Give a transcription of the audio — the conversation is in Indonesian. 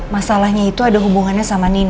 masalahnya itu ada hubungannya sama nino kemarin